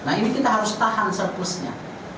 nah ini kita harus tahan surplusnya